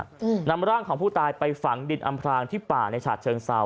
อืมนำร่างของผู้ตายไปฝังดินอำพรางที่ป่าในฉาดเชิงเซา